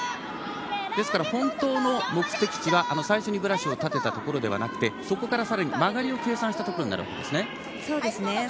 本当の目的地は最初にブラシを立てたところではなくて、そこからさらに曲がりを計算したところになるわけですね。